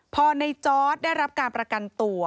พอในจอร์ดได้รับการประกันตัว